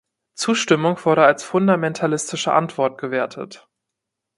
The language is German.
Zustimmung wurde als fundamentalistische Antwort gewertet.